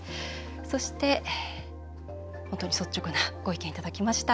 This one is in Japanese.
そして、本当に率直なご意見いただきました。